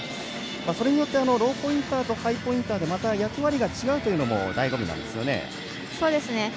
それによって、ローポインターとハイポインターでまた役割が違うというのもだいご味なんですよね。